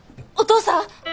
お父さん！？